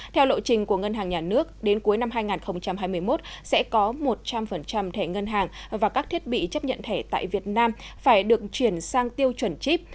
theo lộ trình của ngân hàng nhà nước đến cuối năm hai nghìn hai mươi một sẽ có một trăm linh thẻ ngân hàng và các thiết bị chấp nhận thẻ tại việt nam phải được chuyển sang tiêu chuẩn chip